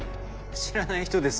知らない人です。